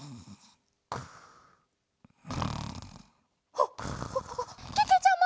あっけけちゃま！